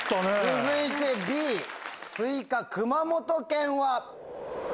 続いて「Ｂすいか熊本県」は？